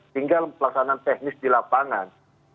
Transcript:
tinggal pelaksanaan teknis di lapangan